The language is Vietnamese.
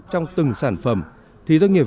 trong từng sản phẩm thì doanh nghiệp